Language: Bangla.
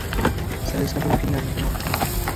স্যার স্টাফ রুমে তিনি আপনার জন্য অপেক্ষা করছেন।